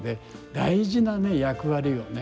大事なね役割をね